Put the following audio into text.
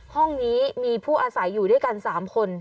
ห้องนี้มีผู้อาศัยอยู่ด้วยกัน๓คน